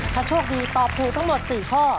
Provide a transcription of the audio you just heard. ถ้าโชคดีตอบถูกทั้งหมด๔ข้อ